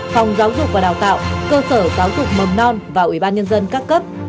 phòng giáo dục và đào tạo cơ sở giáo dục mầm non và ủy ban nhân dân các cấp